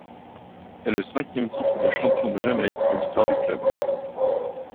C'est le cinquième titre de champion de Jamaïque de l'histoire du club.